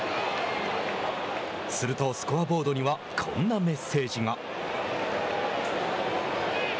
すると、スコアボードにはこんなメッセージが。